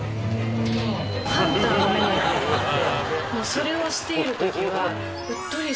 それをしているときは。